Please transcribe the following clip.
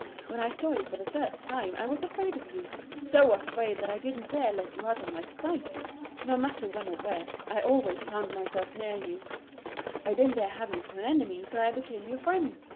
When I saw you for the first time I was afraid of you, so afraid that I didn't dare let you out of my sight; no matter when or where, I always found myself near you I didn't dare have you for an enemy, so I became your friend.